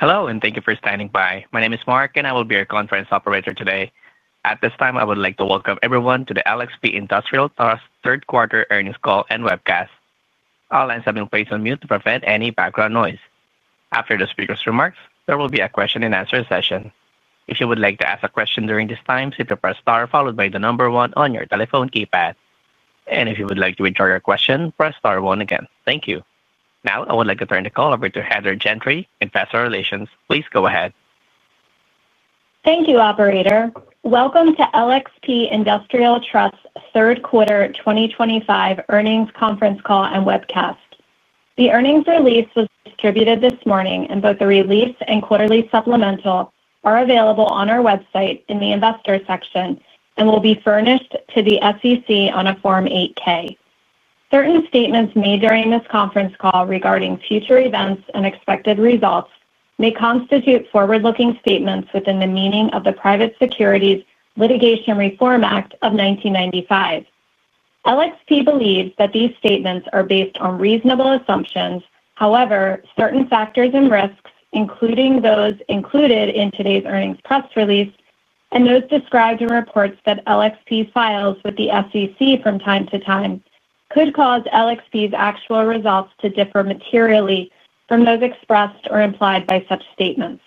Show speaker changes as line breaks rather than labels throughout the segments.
Hello and thank you for standing by. My name is Mark and I will be your conference operator today. At this time I would like to welcome everyone to the LXP Industrial Trust Third Quarter Earnings Call and Webcast. All lines have been placed on mute to prevent any background noise. After the speaker's remarks, there will be a question and answer session. If you would like to ask a question during this time, simply press STAR followed by the number one on your telephone keypad, and if you would like to enter your question, press STAR one again. Thank you. Now I would like to turn the call over to Heather Gentry and Investor Relations. Please go ahead.
Thank you, Operator. Welcome to LXP Industrial Trust Third Quarter 2025 Earnings Conference Call and Webcast. The earnings release was distributed this morning, and both the release and quarterly supplemental are available on our website in the Investor section and will be furnished to the SEC on a Form 8-K. Certain statements made during this conference call regarding future events and expected results may constitute forward-looking statements within the meaning of the Private Securities Litigation Reform Act of 1995. LXP believes that these statements are based on reasonable assumptions. However, certain factors and risks, including those included in today's earnings press release and those described in reports that LXP files with the SEC from time to time, could cause LXP's actual results to differ materially from those expressed or implied by such statements.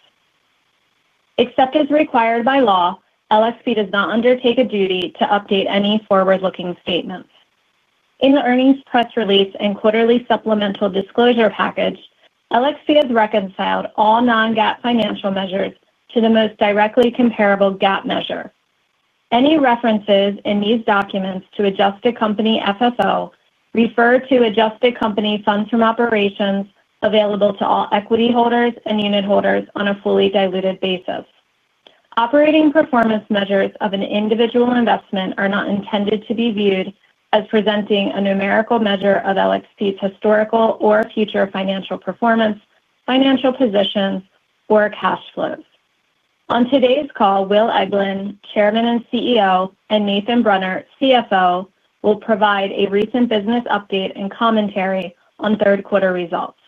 Except as required by law, LXP does not undertake a duty to update any forward-looking statements in the earnings press release and quarterly supplemental disclosure package. LXP has reconciled all non-GAAP financial measures to the most directly comparable GAAP measure. Any references in these documents to adjusted company FFO refer to adjusted company funds from operations available to all equity holders and unitholders on a fully diluted basis. Operating performance measures of an individual investment are not intended to be viewed as presenting a numerical measure of LXP's historical or future financial performance, financial positions, or cash flows. On today's call, Will Eglin, Chairman and CEO, and Nathan Brunner, CFO, will provide a recent business update and commentary on third quarter results.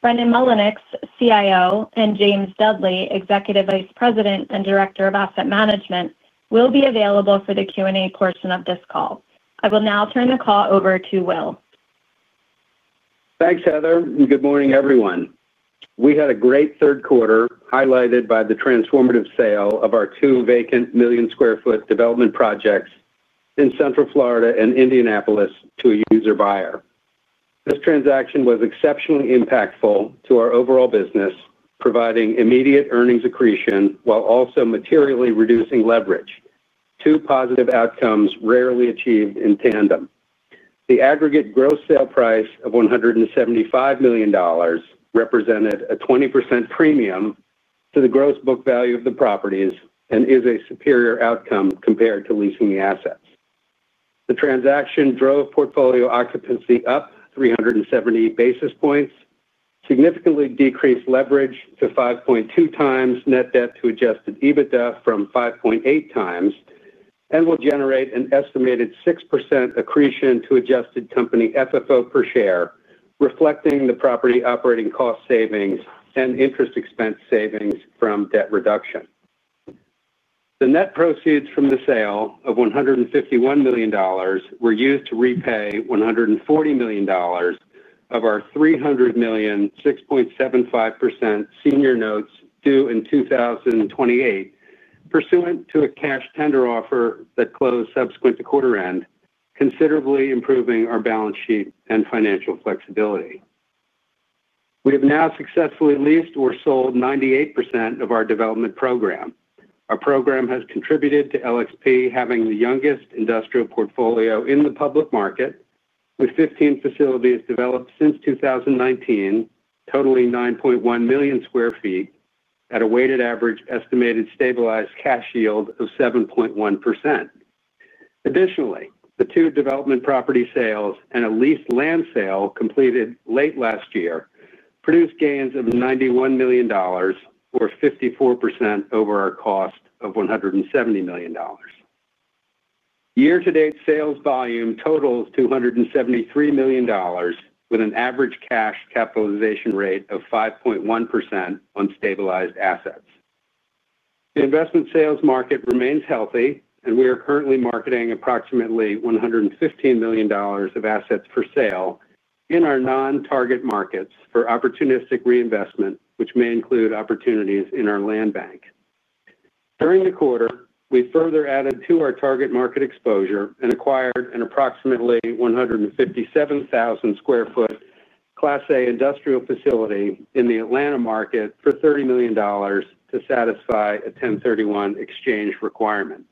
Brendan Mullinix, CIO, and James Dudley, Executive Vice President and Director of Asset Management, will be available for the Q&A portion of this call. I will now turn the call over to Will.
Thanks, Heather, and good morning, everyone. We had a great third quarter highlighted by the transformative sale of our two vacant million square foot development projects in Central Florida and Indianapolis to a user buyer. This transaction was exceptionally impactful to our overall business, providing immediate earnings accretion while also materially reducing leverage. Two positive outcomes rarely achieved in tandem. The aggregate gross sale price of $175 million represented a 20% premium to the gross book value of the properties and is a superior outcome compared to leasing the assets. The transaction drove portfolio occupancy up 370 basis points, significantly decreased leverage to 5.2x net debt to adjusted EBITDA from 5.8 times, and will generate an estimated 6% accretion to adjusted company FFO per share, reflecting the property operating cost savings and interest expense savings from debt reduction. The net proceeds from the sale of $151 million were used to repay $140 million of our $300 million 6.75% senior notes due 2028 pursuant to a cash tender offer that closed subsequent to quarter end, considerably improving our balance sheet and financial flexibility. We have now successfully leased or sold 98% of our development program. Our program has contributed to LXP having the youngest industrial portfolio in the public market with 15 facilities developed since 2019 totaling 9.1 million sq ft at a weighted average estimated stabilized cash yield of 7.1%. Additionally, the two development property sales and a leased land sale completed late last year produced gains of $91 million or 54% over our cost of $170 million. Year to date, sales volume totals $273 million with an average cash capitalization rate of 5.1% on stabilized assets. The investment sales market remains healthy, and we are currently marketing approximately $115 million of assets for sale in our non-target markets for opportunistic reinvestment, which may include opportunities in our land bank. During the quarter, we further added to our target market exposure and acquired an approximately 157,000 sq ft Class A industrial facility in the Atlanta market for $30 million to satisfy a 1031 exchange requirement.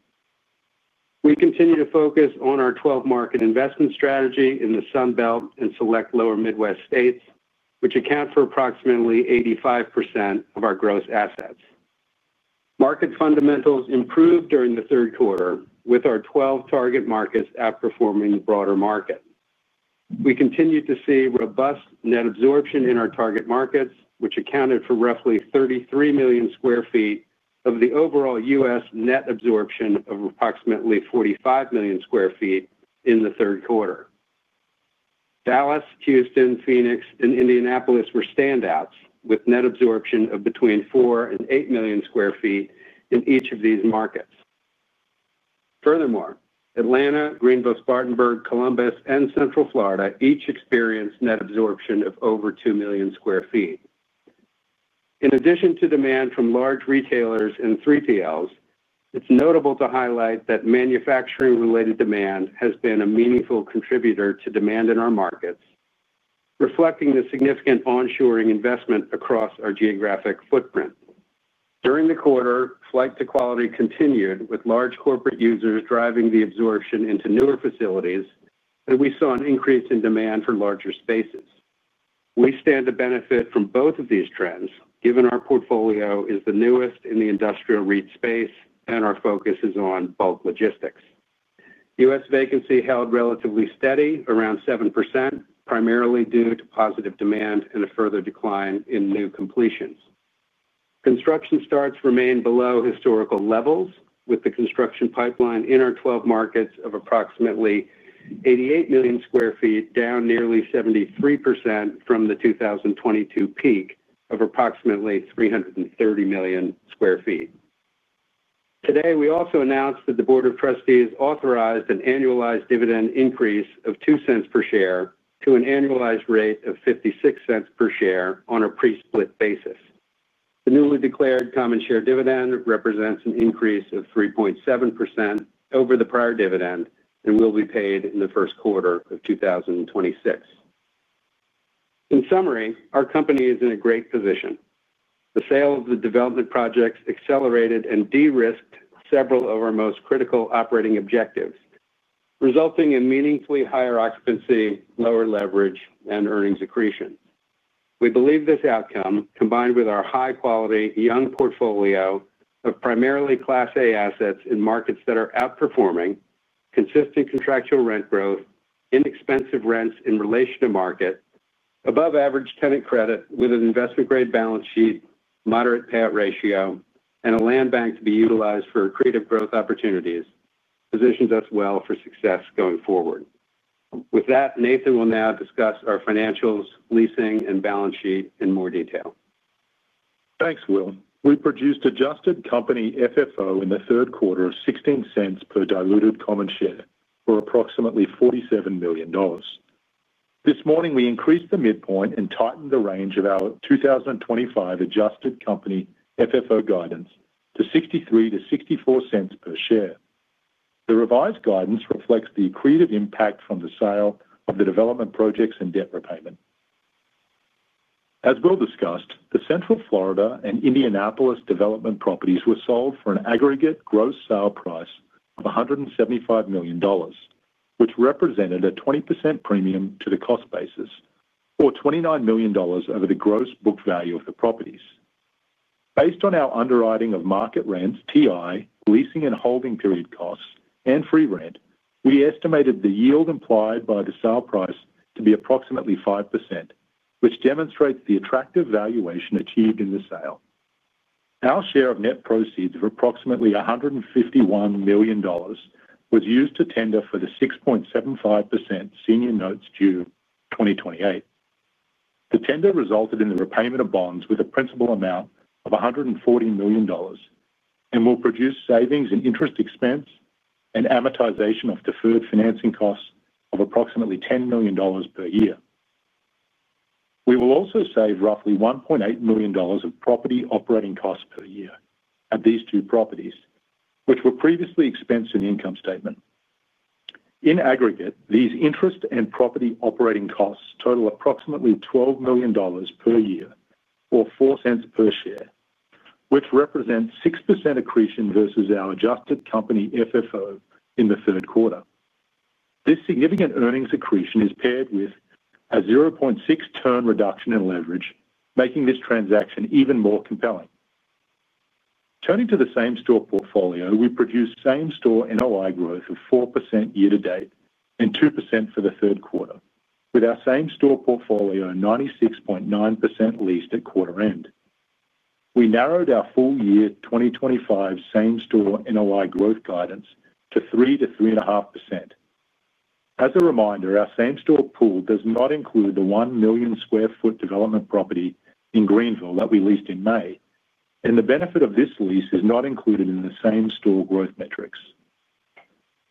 We continue to focus on our 12 market investment strategy in the Sun Belt and select lower Midwest states, which account for approximately 85% of our gross assets. Market fundamentals improved during the third quarter with our 12 target markets outperforming the broader market. We continue to see robust net absorption in our target markets, which accounted for roughly 33 million sq ft of the overall U.S. net absorption of approximately 45 million sq ft in the third quarter. Dallas, Houston, Phoenix, and Indianapolis were standouts with net absorption of between 4 million sq ft and 8 million sq ft in each of these markets. Furthermore, Atlanta, Greenville, Spartanburg, Columbus, and Central Florida each experienced net absorption of over 2 million sq ft. In addition to demand from large retailers and 3PLs, it's notable to highlight that manufacturing-related demand has been a meaningful contributor to demand in our markets, reflecting the significant onshoring investment across our geographic footprint. During the quarter, flight to quality continued with large corporate users driving the absorption into newer facilities, and we saw an increase in demand for larger spaces. We stand to benefit from both of these trends given our portfolio is the newest in the industrial REIT space and our focus is on bulk logistics. U.S. vacancy held relatively steady around 7% primarily due to positive demand and a further decline in new completions. Construction starts remain below historical levels with the construction pipeline in our 12 markets of approximately 88 million sq ft, down nearly 73% from the 2022 peak of approximately 330 million sq ft. Today we also announced that the Board of Trustees authorized an annualized dividend increase of $0.02 per share to an annualized rate of $0.56 per share on a pre-split basis. The newly declared common share dividend represents an increase of 3.7% over the prior dividend and will be paid in the first quarter of 2026. In summary, our company is in a great position. The sale of the development projects accelerated and de-risked several of our most critical operating objectives, resulting in meaningfully higher occupancy, lower leverage, and earnings accretion. We believe this outcome, combined with our high-quality young portfolio of primarily Class A assets in markets that are outperforming, consistent contractual rent growth, inexpensive rents in relation to market, above average tenant credit with an investment grade balance sheet, moderate payout ratio, and a land bank to be utilized for accretive growth opportunities, positions us well for success going forward. With that, Nathan will now discuss our financials, leasing, and balance sheet in more detail.
Thanks Will. We produced adjusted company FFO in 3Q16 per diluted common share for approximately $47 million. This morning we increased the midpoint and tightened the range of our 2025 adjusted company FFO guidance to $0.63-$0.64 per share. The revised guidance reflects the accretive impact from the sale of the development projects and debt repayment. As Will discussed, the Central Florida and Indianapolis development properties were sold for an aggregate gross sale price of $175 million, which represented a 20% premium to the cost basis or $29 million over the gross book value of the properties. Based on our underwriting of market rents, TI leasing and holding period costs and free rent, we estimated the yield implied by the sale price to be approximately 5%, which demonstrates the attractive valuation achieved in the sale. Our share of net proceeds of approximately $151 million was used to tender for the 6.75% senior notes due 2028. The tender resulted in the repayment of bonds with a principal amount of $140 million and will produce savings in interest, expense and amortization of deferred financing costs of approximately $10 million per year. We will also save roughly $1.8 million of property operating costs per year at these two properties which were previously expensed in the income statement. In aggregate, these interest and property operating costs total approximately $12 million per year or $0.04 per share, which represents 6% accretion versus our adjusted company FFO in the third quarter. This significant earnings accretion is paired with a 0.6 turn reduction in leverage, making this transaction even more compelling. Turning to the same store portfolio, we produced same store NOI growth of 4% year to date and 2% for the third quarter with our same store portfolio 96.9% leased at quarter end. We narrowed our full year 2025 same store NOI growth guidance to 3% to 3.5%. As a reminder, our same store pool does not include the 1 million square foot development property in Greenville that we leased in May and the benefit of this lease is not included in the same store growth metrics.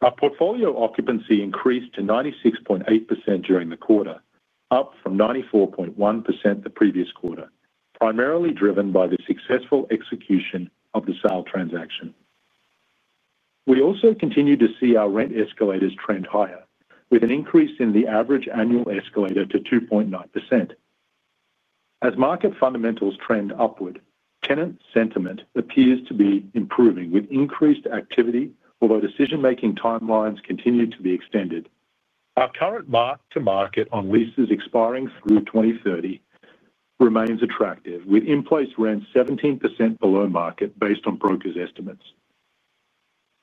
Our portfolio occupancy increased to 96.8% during the quarter, up from 94.1% the previous quarter, primarily driven by the successful execution of the sale transaction. We also continue to see our rent escalators trend higher with an increase in the average annual escalator to 2.9% as market fundamentals trend upward. Tenant sentiment appears to be improving with increased activity, although decision-making timelines continue to be extended. Our current mark to market on leases expiring through 2030 remains attractive, with in-place rents 17% below market based on brokers' estimates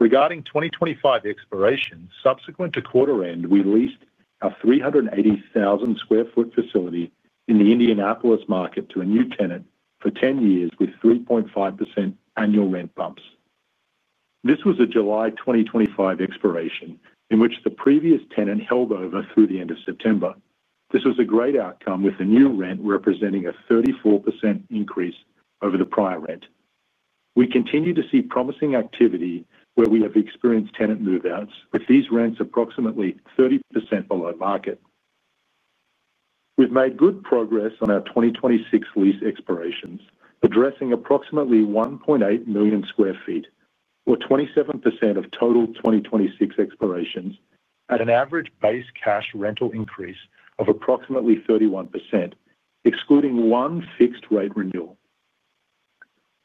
regarding 2025 expiration. Subsequent to quarter end, we leased our 380,000 sq ft facility in the Indianapolis market to a new tenant for 10 years with 3.5% annual rent bumps. This was a July 2025 expiration in which the previous tenant held over through the end of September. This was a great outcome, with the new rent representing a 34% increase over the prior rent. We continue to see promising activity where we have experienced tenant move-outs, with these rents approximately 30% below market. We've made good progress on our 2026 lease expirations, addressing approximately 1.8 million sq ft or 27% of total 2026 expirations at an average base cash rental increase of approximately 31%, excluding one fixed rate renewal.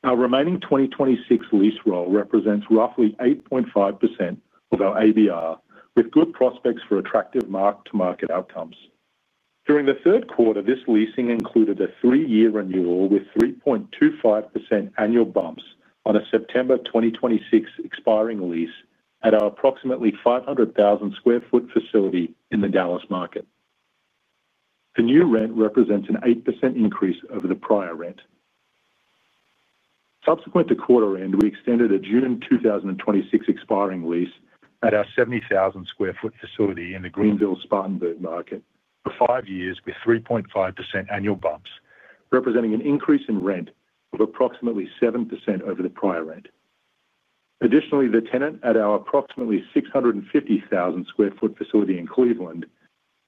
Our remaining 2026 lease roll represents roughly 8.5% of our ABR with good prospects for attractive mark to market outcomes during the third quarter. This leasing included a three-year renewal with 3.25% annual bumps on a September 2026 expiring lease at our approximately 500,000 sq ft facility in the Dallas market. The new rent represents an 8% increase over the prior rent. Subsequent to quarter end, we extended a June 2026 expiring lease at our 70,000 sq ft facility in the Greenville-Spartanburg market for five years with 3.5% annual bumps, representing an increase in rent of approximately 7% over the prior rent. Additionally, the tenant at our approximately 650,000 sq ft facility in Cleveland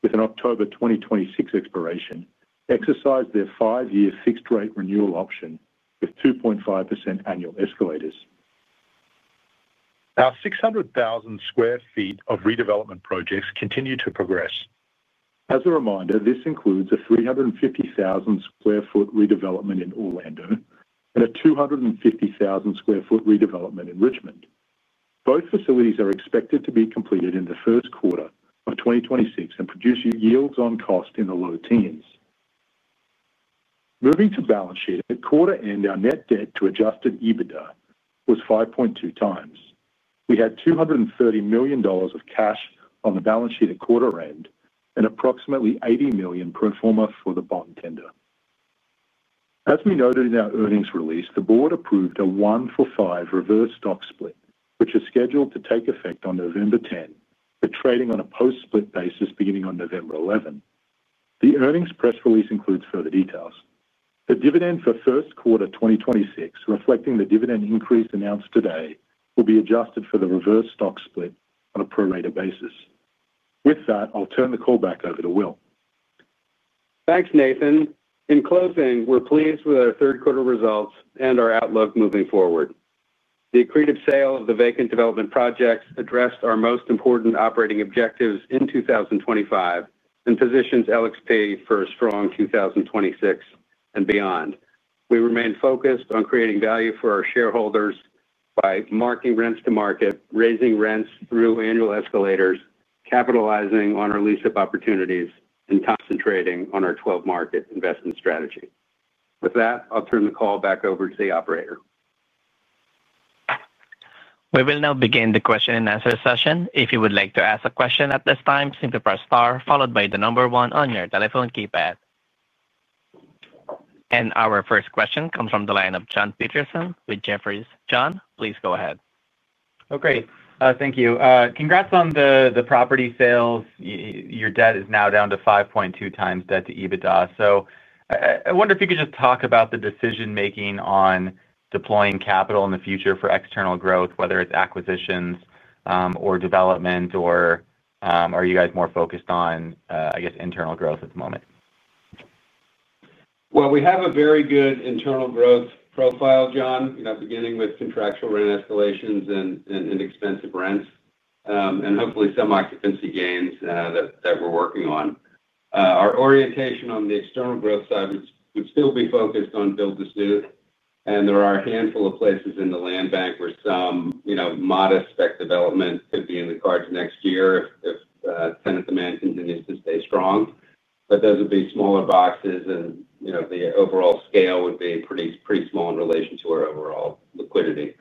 with an October 2026 expiration exercised their five-year fixed rate renewal option with 2.5% annual escalators. Our 600,000 sq ft of redevelopment projects continue to progress. As a reminder, this includes a 350,000 sq ft redevelopment in Orlando and a 250,000 sq ft redevelopment in Richmond. Both facilities are expected to be completed in the first quarter of 2026 and produce yields on cost in the low teens. Moving to balance sheet at quarter end, our net debt to adjusted EBITDA was 5.2x. We had $230 million of cash on the balance sheet at quarter end and approximately $80 million pro forma for the bond tender. As we noted in our earnings release, the board approved a 1-for-5 reverse stock split which is scheduled to take effect on November 10, 2025, with trading on a post-split basis beginning on November 11, 2025. The earnings press release includes further details. The dividend for first quarter 2026, reflecting the dividend increase announced today, will be adjusted for the reverse stock split on a prorated basis. With that, I'll turn the call back over to Will.
Thanks, Nathan. In closing, we're pleased with our third quarter results and our outlook moving forward. The accretive sale of the vacant development projects addressed our most important operating objectives in 2025 and positions LXP for a strong 2026 and beyond. We remain focused on creating value for our shareholders by marking rents to market, raising rents through annual escalators, capitalizing on our lease up opportunities, and concentrating on our 12 market investment strategy. With that, I'll turn the call back over to the operator.
We will now begin the question and answer session. If you would like to ask a question at this time, simply press star followed by the number one on your telephone keypad. Our first question comes from the line of John Petersen with Jefferies. John, please go ahead.
Oh, great. Thank you. Congrats on the property sales. Your debt is now down to 5.2x debt to EBITDA. I wonder if you could just talk about the decision making on deploying capital in the future for external growth, whether it's acquisitions or development. Are you guys more focused on, I guess, internal growth at the moment?
We have a very good internal growth profile, John, beginning with contractual rent escalations and inexpensive rents and hopefully some occupancy gains that we're working on. Our orientation on the external growth side would still be focused on build-to-suit. There are a handful of places in the land bank where some modest spec development could be in the cards next year if tenant demand continues to stay strong. Those would be smaller boxes and the overall scale would be pretty small in relation to our overall liquidity.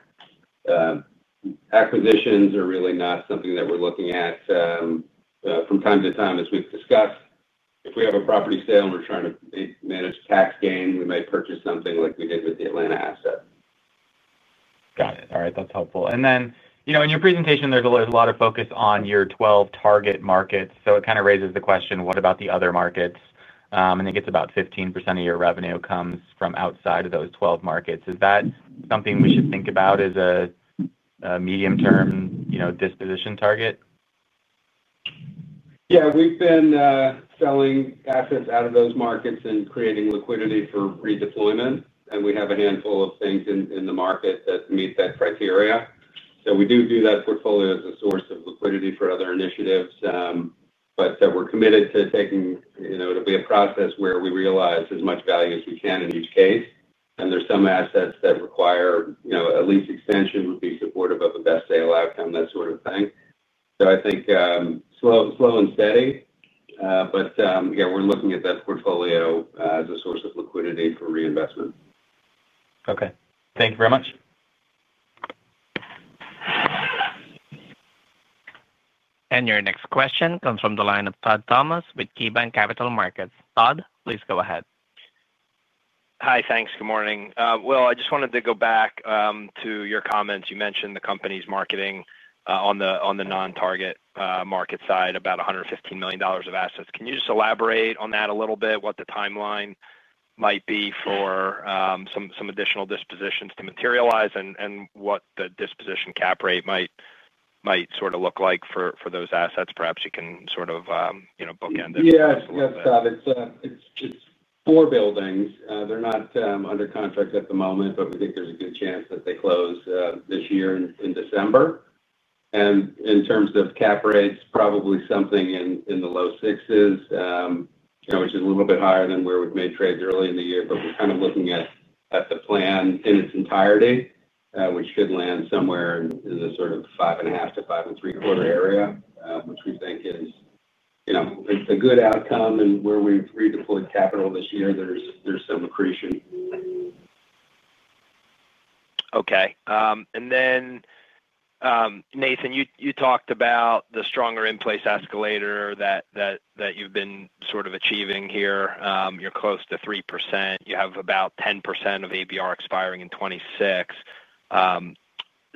Acquisitions are really not something that we're looking at from time to time. As we've discussed, if we have a property sale and we're trying to manage tax gain, we might purchase something like we did with the Atlanta asset.
Got it. All right, that's helpful. In your presentation, there's always a lot of focus on your 12 target markets. It kind of raises the question, what about the other markets? About 15% of your revenue comes from outside of those 12 markets. Is that something we should think about as a medium-term disposition target?
We've been selling assets out of those markets and creating liquidity for redeployment. We have a handful of things in the market that meet that criteria. We do view that portfolio as a source of liquidity for other initiatives. We're committed to taking a process where we realize as much value as we can in each case. There are some assets where at least extension would be supportive of the best sale outcome, that sort of thing. I think slow, slow and steady. We're looking at that portfolio as a source of liquidity for reinvestment.
Okay, thank you very much.
Your next question comes from the line of Todd Thomas with KeyBanc Capital Markets. Todd, please go ahead.
Hi. Thanks. Good morning, Will, I just wanted to go back to your comments. You mentioned the company's marketing on the non-target market side. About $115 million of assets. Can you just elaborate on that a little bit, what the timeline might be for some additional dispositions to materialize and what the disposition cap rate might look like for those assets? Perhaps you can sort of bookend.
Yeah, it's four buildings, they're not under contract at the moment, but we think there's a good chance that they close this year in December. In terms of cap rates, probably something in the low sixes, which is a little bit higher than where we've made trades early in the year. We're kind of looking at the plan in its entirety, which could land somewhere in the sort of 5.5%-5.75% area, which we think is a good outcome. Where we've redeployed capital this year, there's some accretion.
Okay. Nathan, you talked about the stronger in-place escalator that you've been achieving here. You have about 10% of ABR expiring in 2026.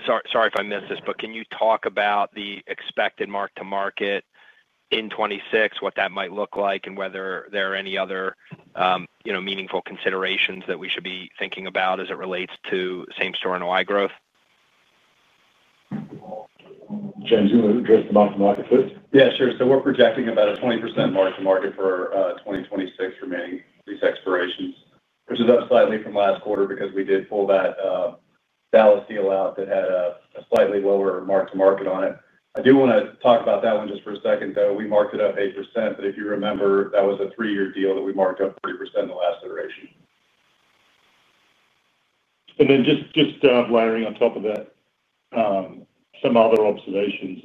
Sorry if I missed this, but can you talk about the expected mark-to-market in 2026, what that might look like and whether there are any other meaningful considerations that we should be thinking about as it relates to same store NOI growth.
James, do you want to address the mark-to-market, please?
Yeah, sure. We're projecting about a 20% mark-to-market for 2026 remaining lease expirations, which is up slightly from last quarter because we did pull that Dallas deal out that had a slightly lower mark-to-market on it. I do want to talk about that one just for a second though. We marked it up 8%. If you remember, that was a three-year deal that we marked up 40% in the last iteration.
Just layering on top of that, some other observations.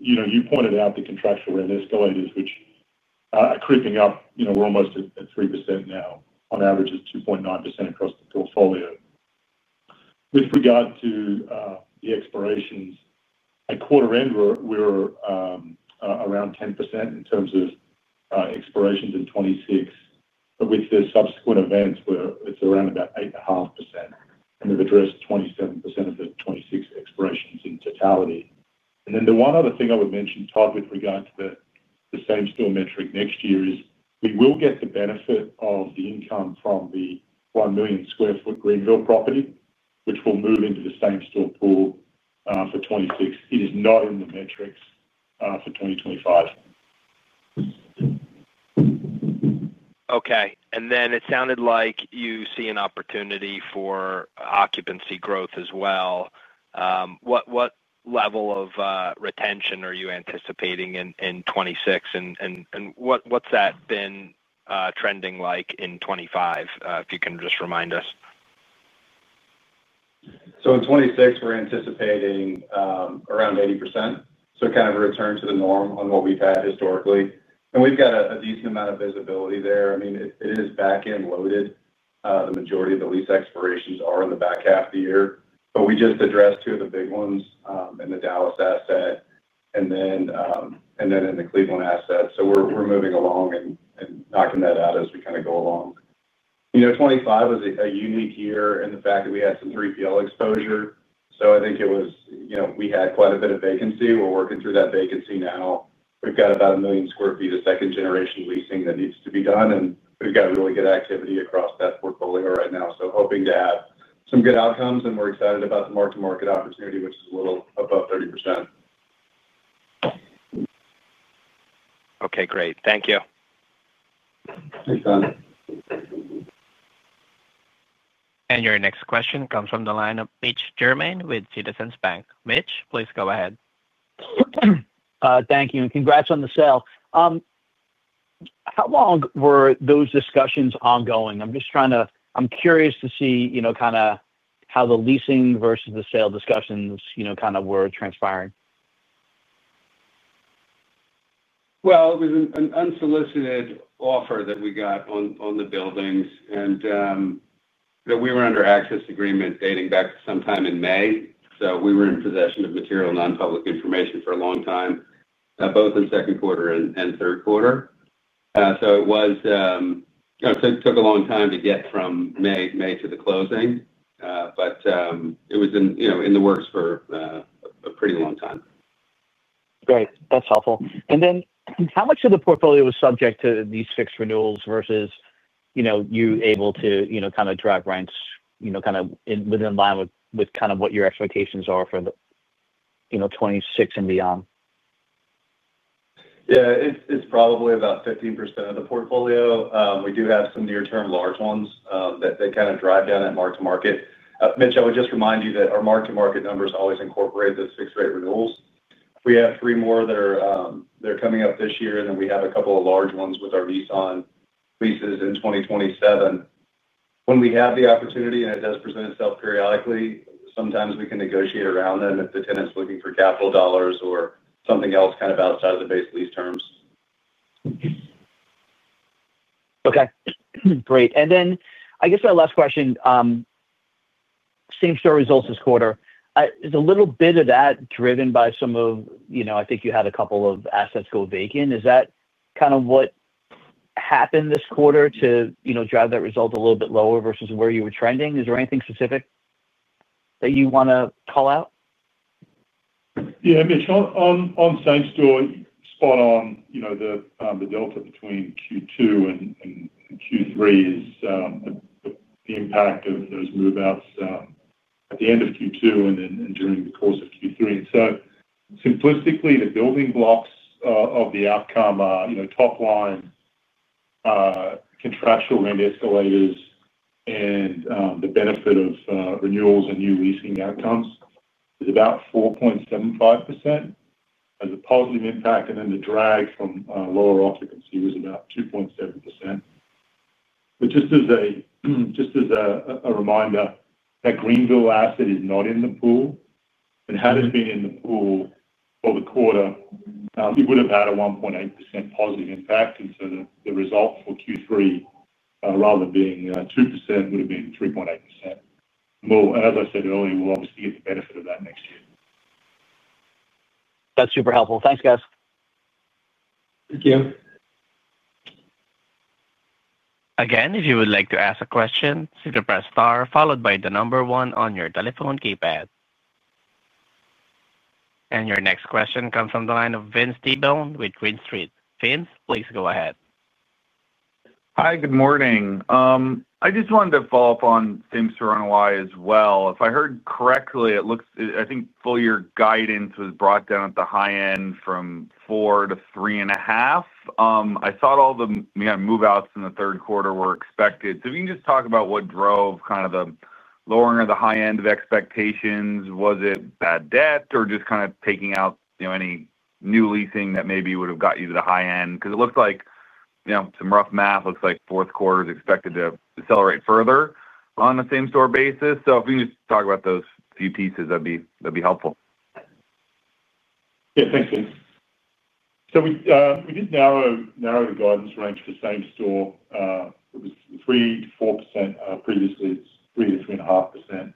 You pointed out the contractual rent escalators, which are creeping up. We're almost at 3% now. On average, it's 2.9% across the portfolio. With regard to the expirations at quarter end, we're around 10% in terms of expirations in 2026. With the subsequent events, it's around 8.5%, and we've addressed 27% of the 2026 expirations in totality. The one other thing I would mention, Todd, with regard to the same store metric next year is we will get the benefit of the income from the 1 million sq ft Greenville property, which will move into the same store pool for 2026. It is not in the metrics for 2025.
Okay. It sounded like you see an opportunity for occupancy growth as well. What level of retention are you anticipating in 2026 and what's that been trending like in 2025, if you can just remind us.
In 2026 we're anticipating around 80%. Kind of a return to the norm on what we've had historically, and we've got a decent amount of visibility there. I mean, it is back end loaded. The majority of the lease expirations are in the back half of the year. We just addressed two of the big ones in the Dallas asset and then in the Cleveland asset. We're moving along and knocking that out as we go along. 2025 was a unique year in the fact that we had some 3PL exposure. I think it was, you know, we had quite a bit of vacancy. We're working through that vacancy now. We've got about 1 million sq ft of second generation leasing that needs to be done, and we've got really good activity across that portfolio right now. Hoping to have some good outcomes. We're excited about the mark-to-market opportunity, which is a little above 30%.
Okay, great. Thank you.
Thanks, Todd.
Your next question comes from the line of Mitch Germain with Citizens Bank. Mitch, please go ahead.
Thank you. Congrats on the sale. How long were those discussions ongoing? I'm just trying to. I'm curious to see how the leasing versus the sale discussions were transpiring.
It was an unsolicited offer that we got on the buildings, and we were under access agreement dating back sometime in May. We were in possession of material non-public information for a long time, both in the second quarter and third quarter. It took a long time to get from May to the closing, but it was in the works for a pretty long time.
Great, that's helpful. How much of the portfolio was subject to these fixed renewals versus you able to kind of drive rents with in line with what your expectations are for you know, 2026 and beyond?
Yeah, it's probably about 15% of the portfolio. We do have some near-term large ones that kind of drive down that mark-to-market. Mitchell, I would just remind you that our mark-to-market numbers always incorporate those fixed-rate renewals. We have three more that are coming up this year, and then we have a couple of large ones with our Nissan leases in 2027. When we have the opportunity and it does present itself periodically, sometimes we can negotiate around them if the tenant's looking for capital or something else kind of outside of the base lease terms.
Okay, great. I guess my last question. Same store results this quarter, is a little bit of that driven by some of, you know, I think you had a couple of assets go vacant. Is that kind of what happened this quarter to drive that result a little bit lower versus where you were trending? Is there anything specific that you want to call out?
Yeah, Mitch, on same store. Spot on. You know, the delta between Q2 and Q3 is the impact of those move outs at the end of Q2 and then during the course of Q3. Simplistically, the building blocks of the outcome are, you know, top line contractual rent escalators. The benefit of renewals and new leasing outcomes is about 4.75% as a positive impact. The drag from lower occupancy was about 2.7%. Just as a reminder, that Greenville asset is not in the pool. Had it been in the pool for the quarter, it would have had a 1.8% positive impact. The result for Q3 rather than being 2% would have been 3.8%. As I said earlier, we'll obviously get the benefit of that next year.
That's super helpful. Thanks, guys.
Thank you.
Again, if you would like to ask a question, simply press star followed by the number one on your telephone keypad. And your next question comes from the line of Vince Tibone with Green Street. Vince, please go ahead.
Hi, good morning. I just wanted to follow up on same surrounding Y as well. If I heard correctly, it looks, I think full year guidance was brought down at the high end from 4 to 3.5. I thought all the move outs in the third quarter were expected. If you can just talk about what drove kind of the lowering or the high end of expectations? Was it bad debt or just kind of taking out any new leasing that maybe would have got you to the high end? Because it looks like, you know, some rough math looks like fourth quarter is expected to accelerate further on the same store basis. If you can just talk about those few pieces, that'd be helpful.
Yeah. Thanks, James. We did narrow the guidance range for same store. It was 3%-4% previously. It's 3%-3.5%.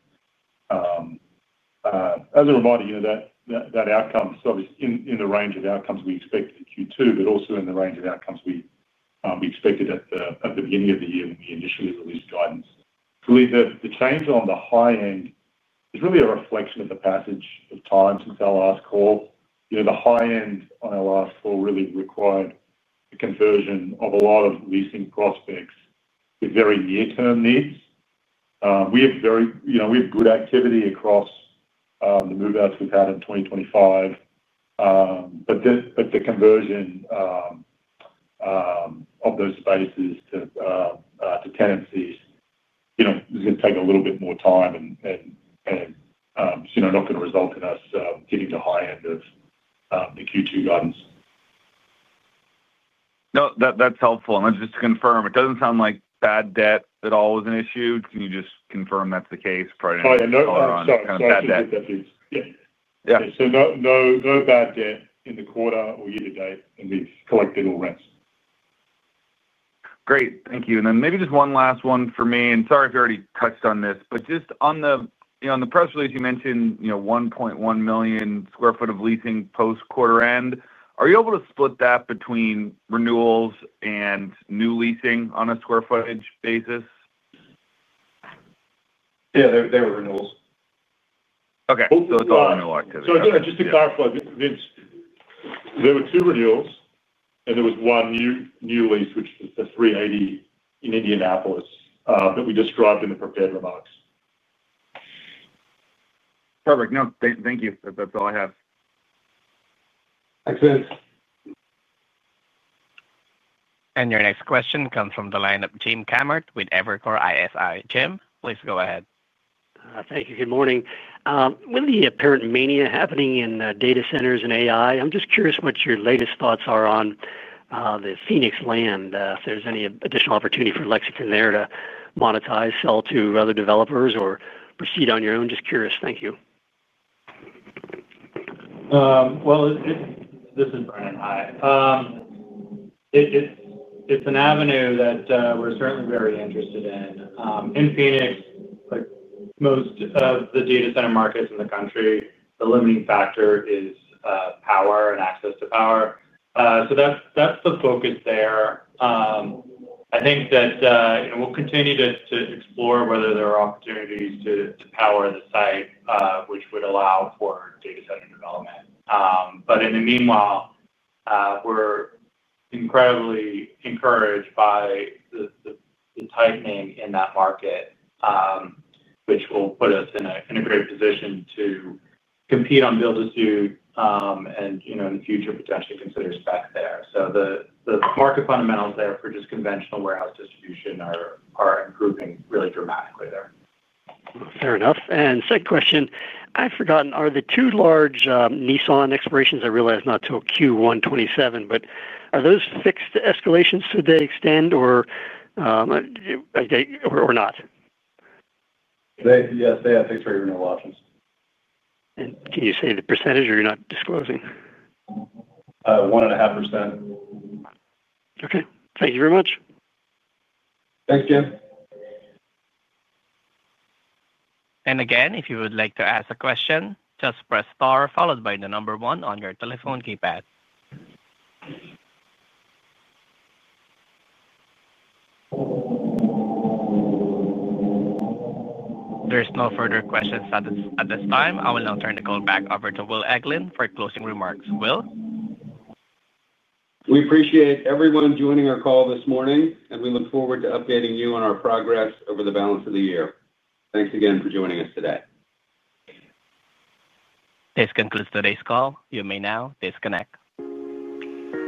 As a reminder, that outcome is in the range of outcomes we expect in Q2, but also in the range of outcomes we expected at the beginning of the year when we initially released guidance. The change on the high end is really a reflection of the passage of time since our last call. The high end on our last call really required a conversion of a lot of leasing prospects with very near term needs. We have good activity across the move outs we've had in 2025, but the conversion of those spaces to tenancies, you know, is going to take a little bit more time, and you know, not going to result in us getting to high end of the Q2 guidance.
No, that's helpful. Let's just confirm it doesn't sound like bad debt at all was an issue. Can you just confirm that's the case?
No bad debt in the quarter or year to date, and we've collected all rents.
Great, thank you. Maybe just one last one for me. Sorry if you already touched on this. On the press release, you mentioned 1.1 million sq ft of leasing post quarter end. Are you able to split that between renewals and new leasing on a square footage basis?
Yeah, they were renewals.
Okay.
Those are renewal activities.
Just to clarify, Vince, there were two renewals and there was one new lease, which was the 380 in Indianapolis that we described in the prepared remarks.
Perfect. No, thank you. That's all I have.
Excellent.
Your next question comes from the line of James Kammert with Evercore ISI. James, please go ahead.
Thank you. Good morning. With the apparent mania happening in data centers and AI, I'm just curious what your latest thoughts are on the Phoenix land. If there's any additional opportunity for LXP there to monetize, sell to other developers, or proceed on your own. Just curious. Thank you.
This is Brendan. It's an avenue that we're certainly very interested in in Phoenix. Like most of the data center markets in the U.S., the limiting factor is power and access to power. That's the focus there. I think that we'll continue to explore whether there are opportunities to power the site which would allow for data center development. In the meanwhile, we're incredibly encouraged by the tightening in that market, which will put us in a great position to compete on build-to-suit and in the future, potentially consider spec there. The market fundamentals there for just conventional warehouse distribution are improving really dramatically there.
Fair enough. Second question, I've forgotten, are the two large Nissan expirations, I realize not till Q1 2027, but are those fixed escalations should they extend or not?
Yes, they have fixed rate renewal options.
Can you say the percentage or you're not disclosing?
1.5%.
Okay. Thank you very much.
Thank you.
If you would like to ask a question, just press star followed by the number one on your telephone keypad. There are no further questions at this time. I will now turn the call back over to Will Eglin for closing remarks. Will.
We appreciate everyone joining our call this morning, and we look forward to updating you on our progress over the balance of the year. Thanks again for joining us today.
This concludes today's call. You may now disconnect.